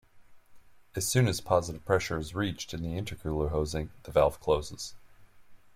As soon as positive pressure is reached in the intercooler hosing, the valve closes.